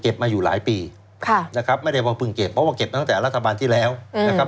มาอยู่หลายปีค่ะนะครับไม่ได้ว่าเพิ่งเก็บเพราะว่าเก็บมาตั้งแต่รัฐบาลที่แล้วนะครับ